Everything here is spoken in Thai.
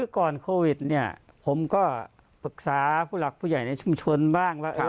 ก่อนโควิดเนี่ยผมก็ปรึกษาผู้หลักผู้ใหญ่ในชุมชนบ้างว่า